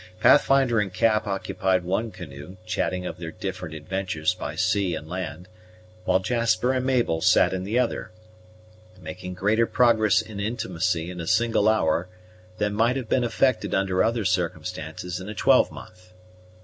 Pathfinder and Cap occupied one canoe, chatting of their different adventures by sea and land; while Jasper and Mabel sat in the other, making greater progress in intimacy in a single hour than might have been effected under other circumstances in a twelvemonth.